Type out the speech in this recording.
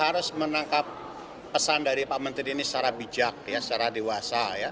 harus menangkap pesan dari pak menteri ini secara bijak secara dewasa ya